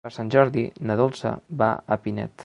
Per Sant Jordi na Dolça va a Pinet.